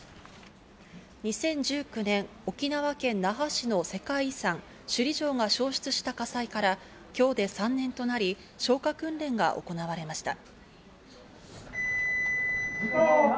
２０１９年、沖縄県那覇市の世界遺産・首里城が消失した火災から今日で３年となり、消火訓練が行われました。